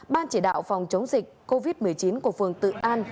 ban chỉ đạo phòng chống dịch covid một mươi chín của phường tự an